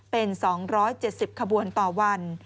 เป็น๒๗๐ขบวนต่อวัน